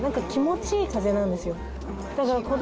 気持ちいい風なんですよ。